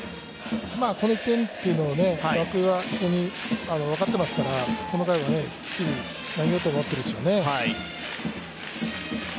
この１点は涌井は既に分かってますからこの回はきっちり投げようと思っているでしょうね。